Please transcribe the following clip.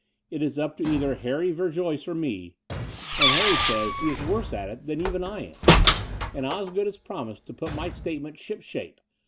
It is up to either Harry Verjoyce or me, and Harry says The Brighton Road 21 he is worse at it even than I am; and Osgood has promised to put my statement shipshape.